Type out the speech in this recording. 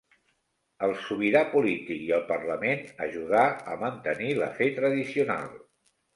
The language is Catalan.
El sobirà polític i el Parlament ajudà a mantenir la fe tradicional.